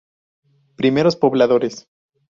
Primeros Pobladores.